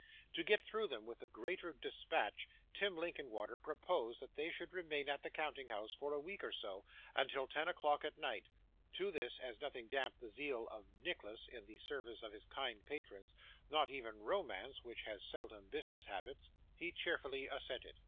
To get through them with the greater dispatch, Tim Linkinwater proposed that they should remain at the counting house, for a week or so, until ten o'clock at night; to this, as nothing damped the zeal of Nicholas in the service of his kind patrons not even romance, which has seldom business habits he cheerfully assented.